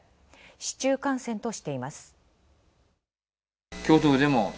市中感染としています。